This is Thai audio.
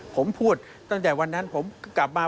ผมพูดตั้งแต่วันนั้นผมกลับมา